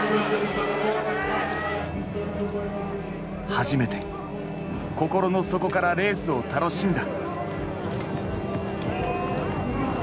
初めて心の底からレースを楽しんだ。